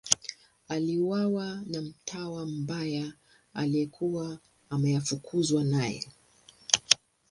Aliuawa na mtawa mbaya aliyekuwa ameafukuzwa naye.